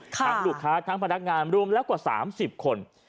ลูกค้าทั้งพนักงานรวมแล้วกว่า๓๐คน